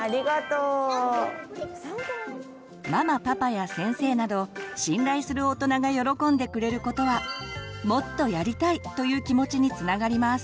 ママパパや先生など信頼する大人が喜んでくれることは「もっとやりたい」という気持ちにつながります。